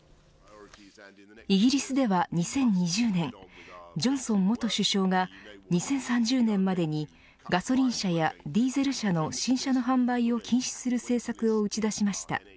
イギリスでは２０２０年ジョンソン元首相が２０３０年までにガソリン車やディーゼル車の新車の販売を禁止する政策を打ち出しました。